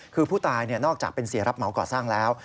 คือผู้ตายนอกจากเป็นเสียรับเหมาก่อสร้างแล้ว